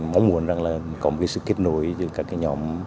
mong muốn rằng là có một cái sự kết nối giữa các cái nhóm